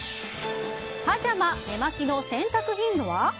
パジャマ・寝間着の洗濯頻度は？